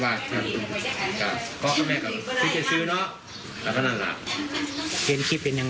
อัยทึกฝรั่งเงื่อนด้านห่าง